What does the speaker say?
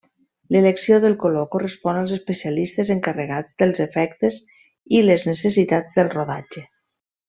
L'elecció del color correspon als especialistes encarregats dels efectes i les necessitats del rodatge.